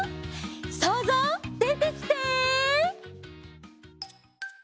そうぞうでてきて！